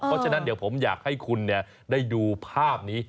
เพราะฉะนั้นเดี๋ยวผมอยากให้คุณได้ดูภาพนี้